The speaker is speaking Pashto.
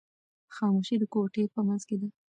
خاموشي د کوټې په منځ کې ده.